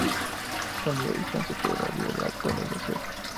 son media distancia por vía de alta velocidad